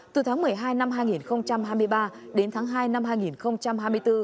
từ tháng một mươi hai năm hai nghìn hai mươi ba đến tháng hai năm hai nghìn hai mươi bốn